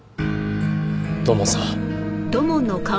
土門さん。